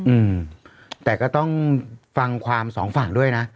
อืมแต่ก็ต้องฟังความสองฝั่งด้วยนะ